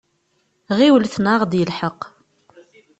Ɣiwlet neɣ ad aɣ-d-yelḥeq!